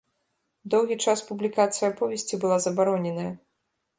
Доўгі час публікацыя аповесці была забароненая.